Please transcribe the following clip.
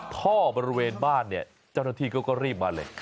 ท่อบริเวณบ้านเนี่ยเจ้าหน้าที่ก็รีบมาเลย